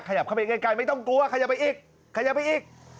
ไข่งกันไกลไม่ต้องกลัวใครจะไปอีกใครจะไปอีก